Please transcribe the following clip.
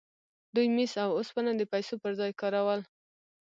دوی مس او اوسپنه د پیسو پر ځای کارول.